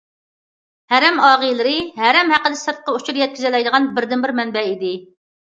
ھەرەم ئاغىلىرى، ھەرەم ھەققىدە سىرتقا ئۇچۇر يەتكۈزەلەيدىغان بىردىنبىر مەنبە ئىدى.